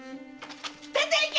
〔出ていけ！